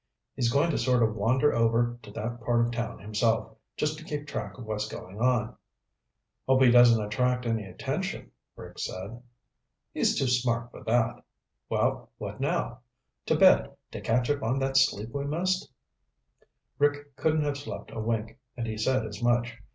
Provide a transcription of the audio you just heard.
"He's going to sort of wander over to that part of town himself, just to keep track of what's going on." "Hope he doesn't attract any attention," Rick said. "He's too smart for that. Well, what now? To bed to catch up on that sleep we missed?" Rick couldn't have slept a wink, and he said as much.